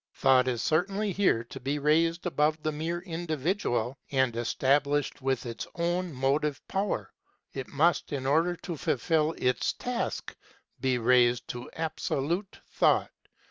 Thought is certainly here to be raised above the mere individual and estab lished with its own motive power ; it must, in 46 KNOWLEDGE AND LIFE order to fulfil its task, be raised to Absolute Thought.